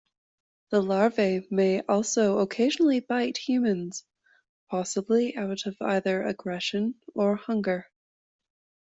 The larvae may also occasionally bite humans, possibly out of either aggression or hunger.